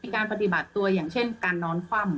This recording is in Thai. การปฏิบัติตัวอย่างเช่นการนอนคว่ำ